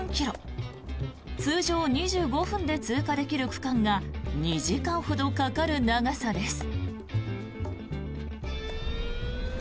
通常２５分で通過できる区間が２時間ほどかかる長さです。